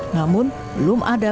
namun belum ada